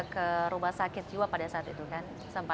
ke rumah sakit jiwa pada saat itu kan